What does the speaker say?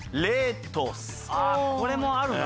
ああこれもあるな。